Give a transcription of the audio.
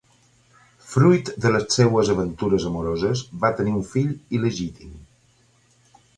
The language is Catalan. Fruit de les seues aventures amoroses va tenir un fill il·legítim.